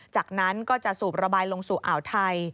จากนั้นก็จะสูบระบายลงสู่อ่าวไทย